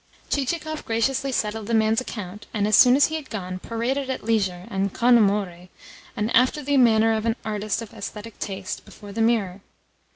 Chichikov graciously settled the man's account, and, as soon as he had gone, paraded at leisure, and con amore, and after the manner of an artist of aesthetic taste, before the mirror.